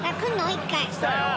１回。来たよ！